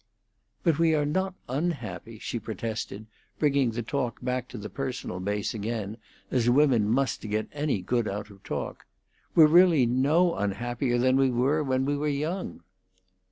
"But we are not unhappy," she protested, bringing the talk back to the personal base again, as women must to get any good out of talk. "We're really no unhappier than we were when we were young."